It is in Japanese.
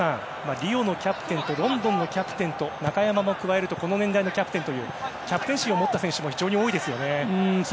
リオのキャプテンとロンドンのキャプテンと中山も加えるとこの年代のキャプテンというキャプテンシーを持った選手も非常に多いですね。